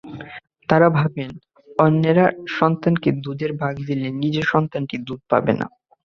তাঁরা ভাবেন, অন্যের সন্তানকে দুধের ভাগ দিলে নিজের সন্তানটি দুধ পাবে না।